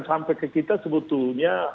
sampai ke kita sebetulnya